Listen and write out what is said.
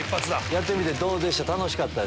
やってみてどうでした？